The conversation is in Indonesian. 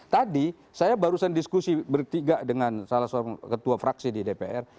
tadi saya barusan diskusi bertiga dengan salah seorang ketua fraksi di dpr